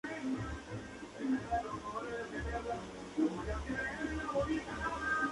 La diversidad de aves es especialmente alta.